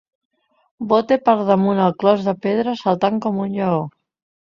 Bote per damunt el clos de pedra saltant com un lleó.